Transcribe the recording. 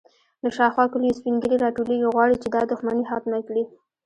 _له شاوخوا کليو سپين ږيرې راټولېږي، غواړي چې دا دښمنې ختمه کړي.